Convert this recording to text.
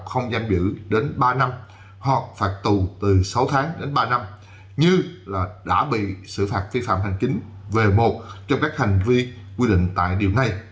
không giam giữ đến ba năm hoặc phạt tù từ sáu tháng đến ba năm như là đã bị xử phạt vi phạm hành chính về một trong các hành vi quy định tại điều này